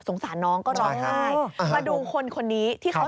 สงสารพวกเขา